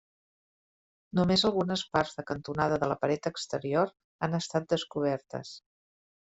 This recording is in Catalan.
Només algunes parts de cantonada de la paret exterior han estat descobertes.